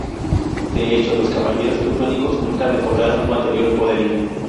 De hecho, los caballeros teutónicos nunca recobraron su anterior poderío.